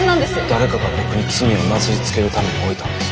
誰かが僕に罪をなすりつけるために置いたんです。